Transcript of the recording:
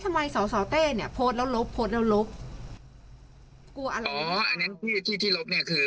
สอสอเต้เนี่ยโพสต์แล้วลบโพสต์แล้วลบกลัวอะไรอ๋ออันนั้นที่ที่ที่ลบเนี้ยคือ